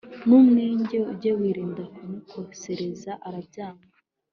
Numwegera, ujye wirinda kumukosereza arabyanga